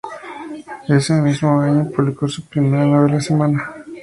Ese mismo año publicó su primera novela: "Semana".